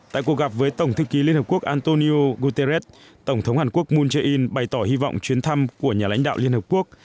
tại cuộc gặp với tổng thư ký liên hợp quốc antonio guterres tổng thống hàn quốc moon jae in bày tỏ hy vọng chuyến thăm của nhà lãnh đạo liên hợp quốc